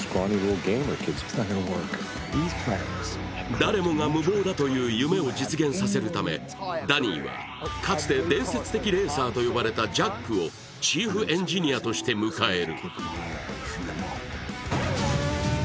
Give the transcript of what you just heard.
誰もが無謀だという夢を実現させるためダニーはかつて伝説的レーサーを呼ばれたジャックをチーフエンジニアとして迎える。